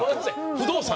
不動産？